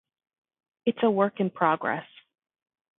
It's a work in progress.